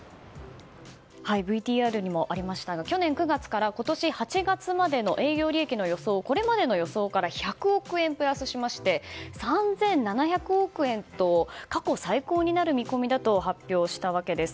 ＶＴＲにもありましたが去年９月から今年８月までの営業利益の予想をこれまでの予想から１００億円プラスしまして３７００億円と過去最高になる見込みだと発表したわけです。